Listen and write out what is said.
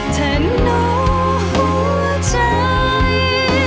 ท่านรู้หัวใจ